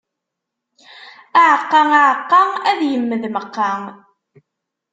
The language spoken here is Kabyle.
Aɛeqqa, aɛeqqa, ad immed meqqa.